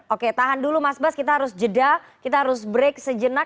oke tahan dulu mas bas kita harus jeda kita harus break sejenak